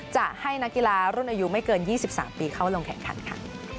จะให้นักกีฬารุ่นอายุไม่เกิน๒๓ปีเข้าลงแข่งขันค่ะ